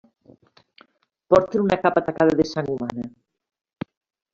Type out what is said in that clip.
Porten una capa tacada de sang humana.